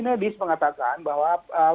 medis mengatakan bahwa